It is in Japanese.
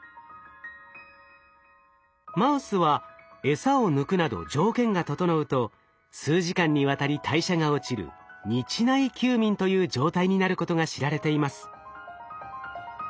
マウスはエサを抜くなど条件が整うと数時間にわたり代謝が落ちる日内休眠という状態になることが知られています。